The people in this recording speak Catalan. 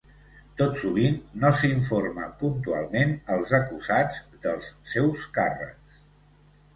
Tot sovint, no s'informa puntualment als acusats dels seus càrrecs.